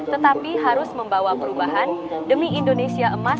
tetapi harus membawa perubahan demi indonesia emas dua ribu dua puluh empat